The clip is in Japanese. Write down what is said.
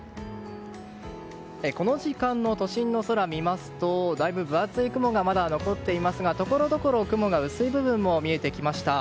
この時間の都心の空を見ますと分厚い雲がまだ残っていますがところどころ雲が薄い部分も見えてきました。